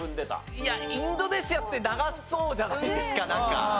いやインドネシアって長そうじゃないですかなんか。